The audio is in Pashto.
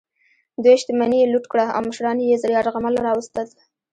دوی شتمني یې لوټ کړه او مشران یې یرغمل راوستل.